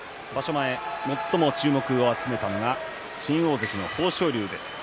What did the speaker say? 前、最も注目を集めたのは新大関の豊昇龍です。